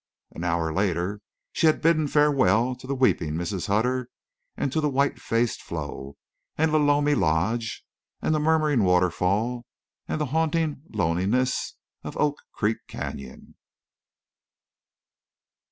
An hour later she had bidden farewell to the weeping Mrs. Hutter, and to the white faced Flo, and Lolomi Lodge, and the murmuring waterfall, and the haunting loneliness of Oak Creek Canyon.